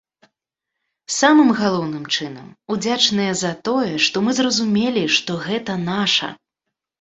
Самым галоўным чынам, удзячныя за тое, што мы зразумелі, што гэта наша.